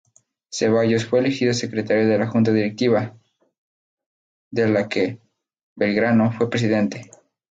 Zeballos fue elegido secretario de la Junta Directiva, de la que Belgrano fue presidente.